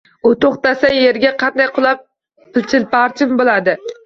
U to’xtasa yerga qanday qulab chilparchin bo’ladi